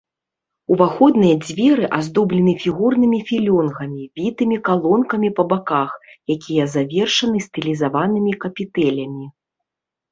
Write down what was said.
Уваходныя дзверы аздоблены фігурнымі філёнгамі, вітымі калонкамі па баках, якія завершаны стылізаванымі капітэлямі.